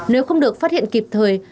nếu không được phát hiện kịp thời